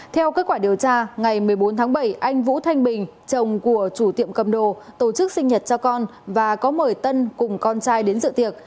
theo kết quả điều tra ngày một mươi bốn tháng bảy anh vũ thanh bình chồng của chủ tiệm cầm đồ tổ chức sinh nhật cho con và có mời tân cùng con trai đến dự tiệc